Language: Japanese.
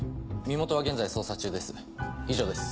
身元は現在捜査中です以上です。